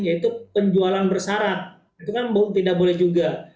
yaitu penjualan bersarat itu kan tidak boleh juga